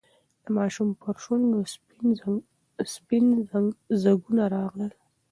د ماشوم پر شونډو سپین ځگونه راغلل.